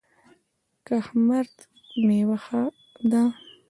کهمرد میوه ښه ده؟